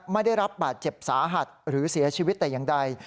ไม่ได้รับบาดเจ็บสาหัสหรือเสียชีวิตแต่อย่างใด